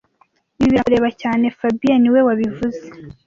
Ibi birakureba cyane fabien niwe wabivuze